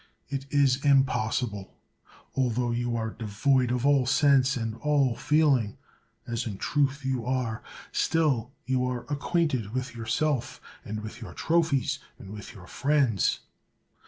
It is impossible. Altho you are devoid of all sense and all feeling — as in truth you are — still you are acquainted with yourself, and with your trophies, and with your friends.